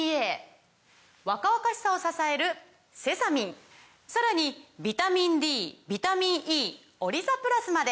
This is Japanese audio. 若々しさを支えるセサミンさらにビタミンＤビタミンＥオリザプラスまで！